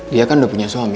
dia kan udah punya suami